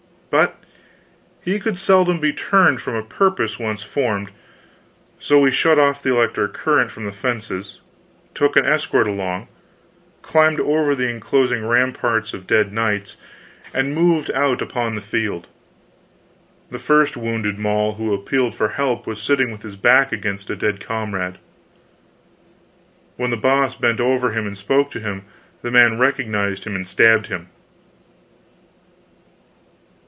But he could seldom be turned from a purpose once formed; so we shut off the electric current from the fences, took an escort along, climbed over the enclosing ramparts of dead knights, and moved out upon the field. The first wounded mall who appealed for help was sitting with his back against a dead comrade. When The Boss bent over him and spoke to him, the man recognized him and stabbed him.